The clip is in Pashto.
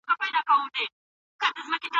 مغولو خپله تګلاره بدله کړي ده.